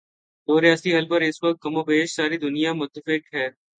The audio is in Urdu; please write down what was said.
دو ریاستی حل پر اس وقت کم و بیش ساری دنیا متفق ہے۔